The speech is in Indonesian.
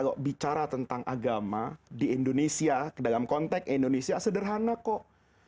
kalau bicara tentang agama di indonesia dalam konteks indonesia sederhana kok